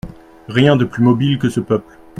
Rien de plus mobile que ce peuple.